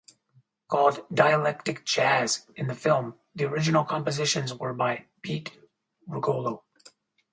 Called "dialectic jazz" in the film, the original compositions were by Pete Rugolo.